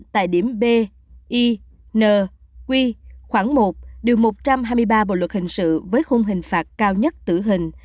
tại điểm b i n q khoảng một đều một trăm hai mươi ba bộ luật hình sự với khung hình phạt cao nhất tử hình